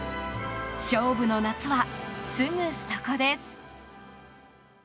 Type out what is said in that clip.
勝負の夏は、すぐそこです。